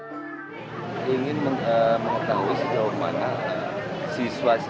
saya ingin mengetahui sejauh mana siswa siswa